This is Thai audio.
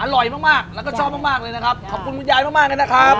อร่อยมากมากแล้วก็ชอบมากมากเลยนะครับขอบคุณคุณยายมากมากเลยนะครับ